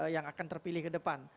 yang akan terpilih ke depan